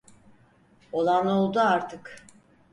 Olan oldu artık.